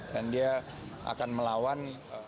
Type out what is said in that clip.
dan dia akan melawan